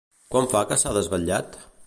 Quant fa que s'ha desvetllat?